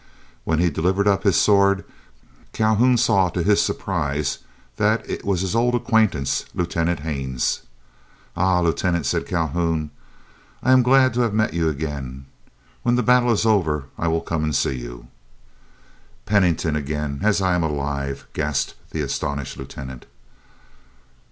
When he delivered up his sword Calhoun saw to his surprise that it was his old acquaintance, Lieutenant Haines. "Ah, Lieutenant," said Calhoun, "I am glad to have met you again. When the battle is over I will come and see you." "Pennington again, as I am alive!" gasped the astonished Lieutenant.